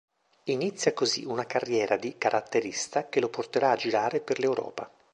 Inizia così una carriera di caratterista che lo porterà a girare per l'Europa.